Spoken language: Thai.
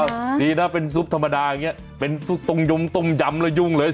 นิดหน่อยน่ะดีน่ะเป็นซุปธรรมดาอย่างเงี้ยเป็นตรงยมตรงยำแล้วยุ่งเลย